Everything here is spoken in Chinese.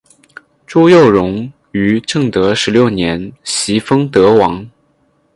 朱佑榕于正德十六年袭封德王。